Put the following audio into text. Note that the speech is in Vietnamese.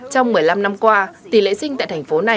trong một mươi năm năm qua tỷ lệ sinh tại thành phố này